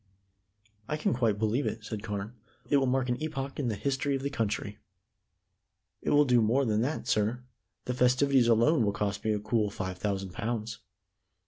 "I can quite believe it," said Carne. "It will mark an epoch in the history of the country." "It will do more than that, sir. The festivities alone will cost me a cool five thousand pounds.